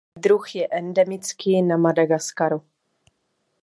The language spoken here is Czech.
Druh je endemický na Madagaskaru.